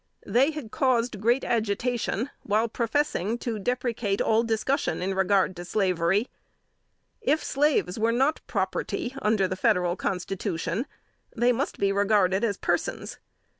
They had caused great agitation, while professing to deprecate all discussion in regard to slavery. If slaves were not property under the Federal Constitution, they must be regarded as persons.